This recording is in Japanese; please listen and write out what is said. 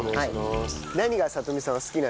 何がさとみさんは好きなんですか？